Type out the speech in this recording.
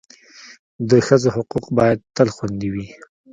د ښځو حقوق باید تل خوندي وي.